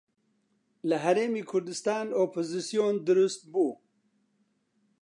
لە هەرێمی کوردستان ئۆپۆزسیۆن دروست بوو